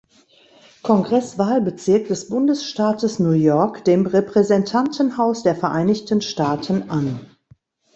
Kongresswahlbezirk des Bundesstaates New York dem Repräsentantenhaus der Vereinigten Staaten an.